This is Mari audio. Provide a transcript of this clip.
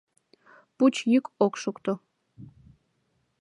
Пуч йӱк ок шокто.